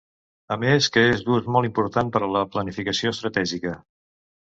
A més que és d'ús molt important per a la planificació estratègica.